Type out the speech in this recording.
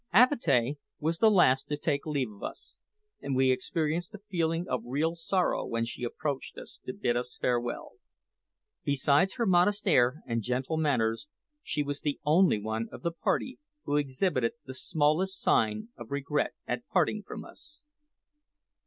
Avatea was the last to take leave of us, and we experienced a feeling of real sorrow when she approached to bid us farewell. Besides her modest air and gentle manners, she was the only one of the party who exhibited the smallest sign of regret at parting from us.